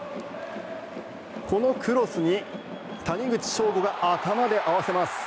このクロスに谷口彰悟が頭で合わせます。